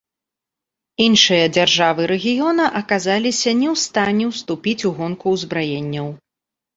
Іншыя дзяржавы рэгіёна аказаліся не ў стане ўступіць у гонку ўзбраенняў.